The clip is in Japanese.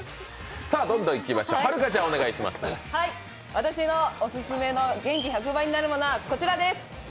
私のオススメの元気１００倍になれるものはこちらです！